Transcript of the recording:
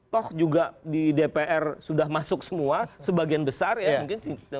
toh juga di dpr sudah masuk semua sebagian besar ya mungkin